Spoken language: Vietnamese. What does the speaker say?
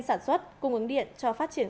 sản xuất cung ứng điện cho phát triển